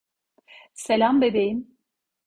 Selam bebeğim.